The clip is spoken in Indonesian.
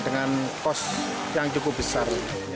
dengan kos yang cukup besar